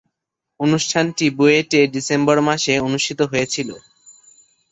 অনুষ্ঠানটি বুয়েটে ডিসেম্বর মাসে অনুষ্ঠিত হয়েছিলো।